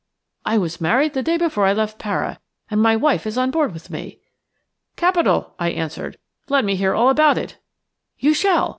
"I was married the day before I left Para, and my wife is on board with me." "Capital," I answered. "Let me hear all about it." "You shall.